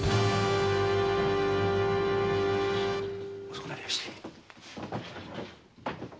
遅くなりやして。